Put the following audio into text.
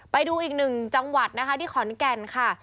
ไปดูอีกหนึ่งจังหวัดนะคะที่ขอนแก่นค่ะ